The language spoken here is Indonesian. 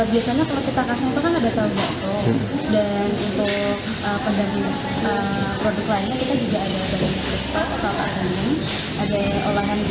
biasanya kalau kita kasih itu kan ada tahu baso dan untuk pendaki produk lainnya juga ada